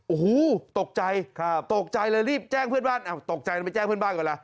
โอ้โหตกใจตกใจเลยรีบแจ้งเพื่อนบ้านตกใจไปแจ้งเพื่อนบ้านก่อนล่ะ